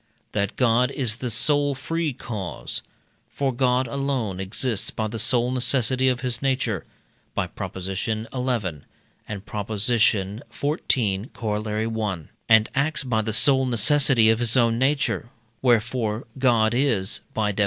That God is the sole free cause. For God alone exists by the sole necessity of his nature (by Prop. xi. and Prop. xiv., Coroll. i.), and acts by the sole necessity of his own nature, wherefore God is (by Def.